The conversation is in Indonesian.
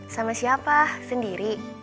sama siapa sendiri